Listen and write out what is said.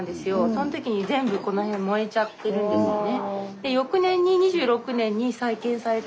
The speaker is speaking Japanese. その時に全部この辺燃えちゃってるんですね。